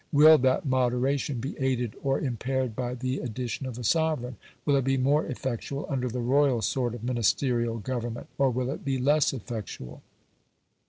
Will that moderation be aided or impaired by the addition of a sovereign? Will it be more effectual under the royal sort of Ministerial Government, or will it be less effectual?